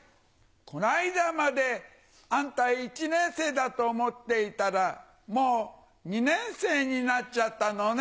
こないだまであんた１年生だと思っていたらもう２年生になっちゃったのね。